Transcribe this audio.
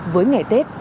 với ngày tết